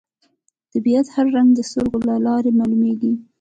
د طبیعت هر رنګ د سترګو له لارې معلومېږي